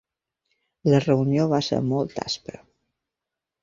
La reunió va ser molt aspra.